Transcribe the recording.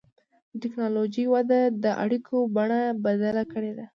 د ټکنالوجۍ وده د اړیکو بڼه بدله کړې ده.